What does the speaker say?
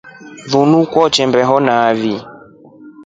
Lindu kwenda mbeo nai.